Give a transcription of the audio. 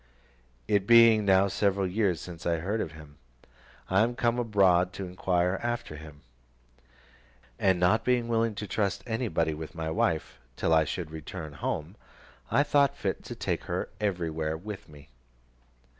It being now several years since I heard of him, I am come abroad to inquire after him; and not being willing to trust anybody with my wife, till I should return home, I thought fit to take her everywhere with me.